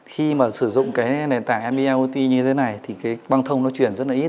khi mà sử dụng cái nền tảng nbot như thế này thì cái băng thông nó chuyển rất là ít